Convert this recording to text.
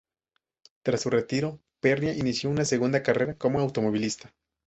Tras su retiro, Pernía inició una segunda carrera como automovilista.